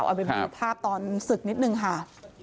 เอาไปดูภาพตอนศึกนิดนึงค่ะ